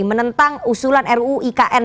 menentang usulan ruu ikn